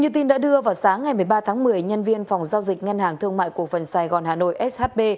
như tin đã đưa vào sáng ngày một mươi ba tháng một mươi nhân viên phòng giao dịch ngân hàng thương mại cổ phần sài gòn hà nội shb